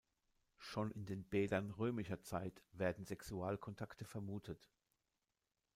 Schon in den Bädern römischer Zeit werden Sexualkontakte vermutet.